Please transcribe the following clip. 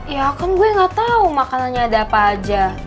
ya kan gue gak tau makanannya ada apa aja